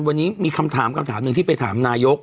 วันนี้มีคำถามคำถามหนึ่งที่ไปถามนายก